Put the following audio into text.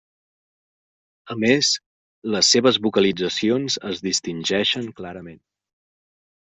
A més, les seves vocalitzacions es distingeixen clarament.